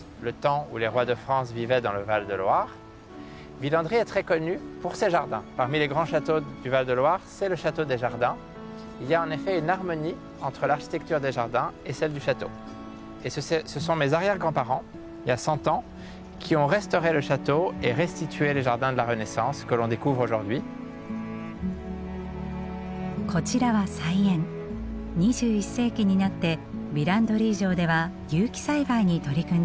２１世紀になってヴィランドリー城では有機栽培に取り組んできました。